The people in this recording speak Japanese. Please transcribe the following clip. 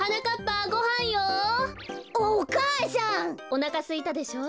おなかすいたでしょ？